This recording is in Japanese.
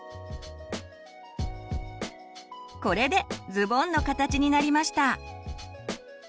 これでズボンの形になりました。